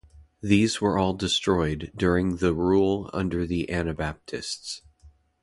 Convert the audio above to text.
These were all destroyed during the rule under the Anabaptists.